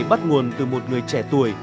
bắt nguồn từ một người trẻ tuổi